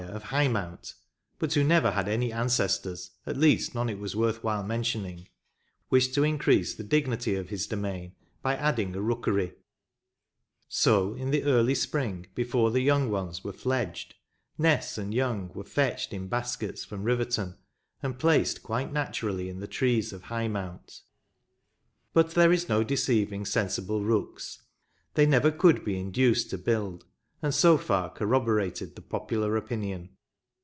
of Highmount, but who never had any ancestors, at least none it was worth while mentioning, wished to increase the dignity of his domain by adding a rookery ; so in the early spring, before the young ones were fledged, nests and young were fetched in baskets from Riverton, and placed quite naturally in the trees of Highmount : but there is no deceiving sensible rooks : they never could be induced to build, and so far corroborated the popular opinion.